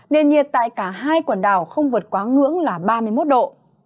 nền nhiệt tại cả hai quần đảo không vượt quá ngưỡng là ba mươi một độ